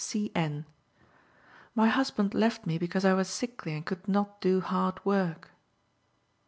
C. N.: "My husband left me because I was sickly and could not do hard work."